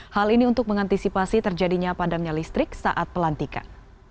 hal ini untuk mengantisipasi terjadinya padamnya listrik saat pelantikan